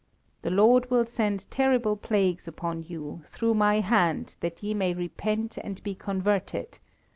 The Lord will send terrible plagues upon you, through my hand, that ye may repent and be converted.